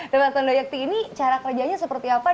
tepas tondoyekty ini cara kerjanya seperti apa